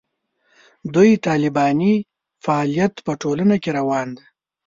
دوی طالباني فعالیت په ټولنه کې روان دی.